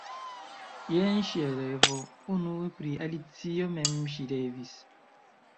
Jen ŝia revo: Unue pri Alicio mem ŝi revis.